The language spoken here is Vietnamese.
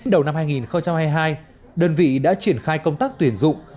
đầu năm hai nghìn hai mươi hai đơn vị đã triển khai công tác tuyển dụng